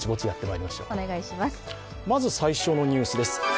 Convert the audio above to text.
まず最初のニュースです。